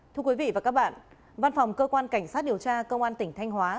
thưa quý vị và các bạn văn phòng cơ quan cảnh sát điều tra công an tỉnh thanh hóa